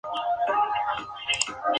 Es una iglesia de nave única.